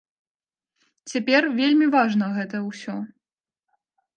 Цяпер вельмі важна гэта ўсё.